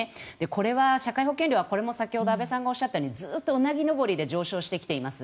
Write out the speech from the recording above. これは社会保険料はこれも先ほど安部さんがおっしゃったようにずっと、うなぎ登りで上昇してきています。